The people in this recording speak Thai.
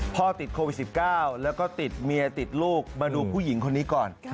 ติดโควิด๑๙แล้วก็ติดเมียติดลูกมาดูผู้หญิงคนนี้ก่อน